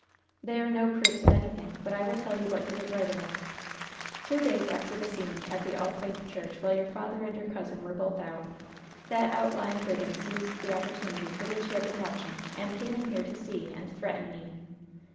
"They are no proofs of anything; but I will tell you what he was writing of. Two days after the scene at the All Faith Church, while your father and your cousin were both out, that outlying brigand seized the opportunity for which he had been watching, and came in here to see and threaten me."